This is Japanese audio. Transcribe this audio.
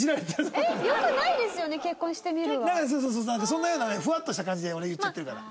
そんなようなフワッとした感じで俺言っちゃってるから。